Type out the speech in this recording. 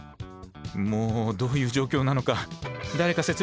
もうどういう状況なのか誰か説明して下さい。